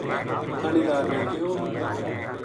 تھہانیدار نے کہیو